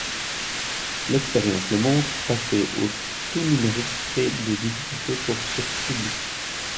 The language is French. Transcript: L’expérience le montre : passer au tout numérique crée des difficultés pour ce public.